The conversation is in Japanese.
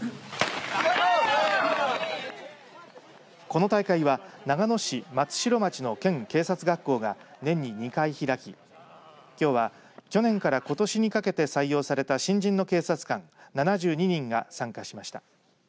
この大会は長野市松代町の県警察学校が年に２回開き、きょうは去年からことしにかけて採用された新人の警察官７２人が参加しました。